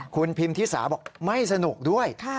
คุณพิมพิสาบอกไม่สนุกด้วย